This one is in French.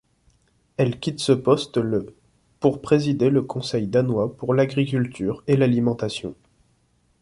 Elle quitte ce poste le pour présider le Conseil danois pour l'agriculture et l'alimentation.